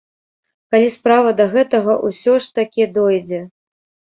Калі справа да гэтага ўсё ж такі дойдзе.